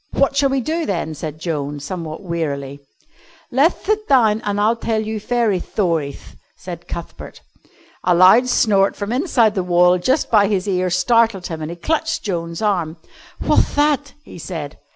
"What shall we do, then?" said Joan, somewhat wearily. "Leth thit down an' I'll tell you fairy thorieth," said Cuthbert. A loud snort from inside the wall just by his ear startled him, and he clutched Joan's arm. "What'th that?" he said.